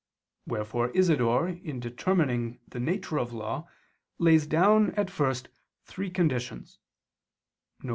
Wherefore Isidore in determining the nature of law, lays down, at first, three conditions; viz.